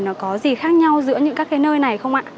nó có gì khác nhau giữa những các cái nơi này không ạ